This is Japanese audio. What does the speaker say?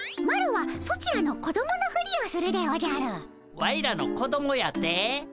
ワイらの子どもやて？